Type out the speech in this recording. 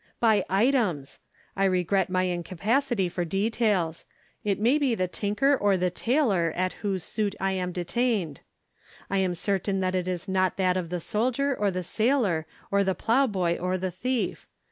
By items! I regret my incapacity for details. It may be the tinker or the tailor at whose suit I am detained. I am certain it is not at that of the soldier, or the sailor, or the ploughboy, or the thief.